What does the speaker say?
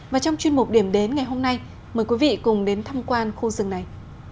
và trong chuyên mục điểm đến ngày hôm nay mời quý vị cùng đến thăm quan khu rừng này